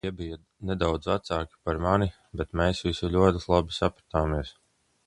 Tie bija nedaudz vecāki par mani, bet mēs visi ļoti labi sapratāmies.